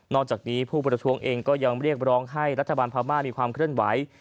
จากนี้ผู้ประท้วงเองก็ยังเรียกร้องให้รัฐบาลพม่ามีความเคลื่อนไหว